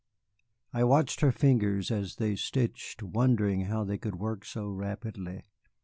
I watched her fingers as they stitched, wondering how they could work so rapidly.